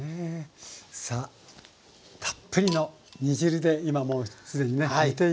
さあたっぷりの煮汁で今もうすでにね煮ています。